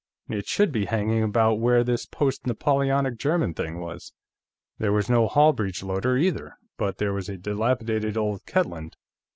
It should be hanging about where this post Napoleonic German thing was. There was no Hall breech loader, either, but there was a dilapidated old Ketland.